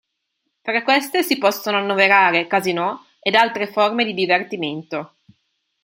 Fra queste si possono annoverare Casinò ed altre forme di divertimento.